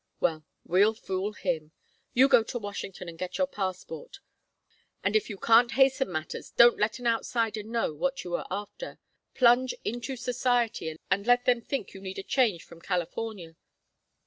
Well, we'll fool him. You go to Washington and get your passport, and if you can't hasten matters don't let an outsider know what you are after. Plunge into society and let them think you need a change from California.